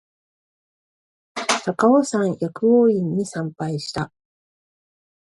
高尾山薬王院に参拝した